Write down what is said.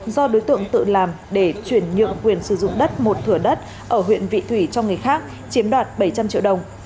do đối tượng tự làm để chuyển nhượng quyền sử dụng đất một thửa đất ở huyện vị thủy cho người khác chiếm đoạt bảy trăm linh triệu đồng